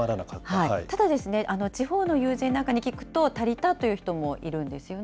ただですね、地方の友人なんかに聞くと、足りたという人もいるんですよね。